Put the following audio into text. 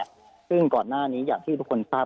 ซึ่งก่อนหน้านี้อย่างที่ทุกคนทราบ